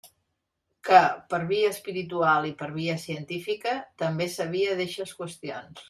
Que, per via espiritual i per via científica, també sabia d'eixes qüestions.